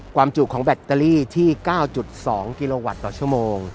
จุของแบตเตอรี่ที่๙๒กิโลวัตต์ต่อชั่วโมง